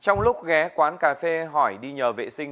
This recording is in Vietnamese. trong lúc ghé quán cà phê hỏi đi nhờ vệ sinh